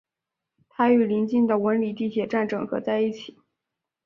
它与临近的文礼地铁站整合在一起。